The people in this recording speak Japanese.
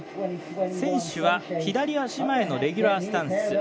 選手は左足前のレギュラースタンス。